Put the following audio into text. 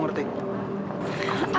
aku tuh nggak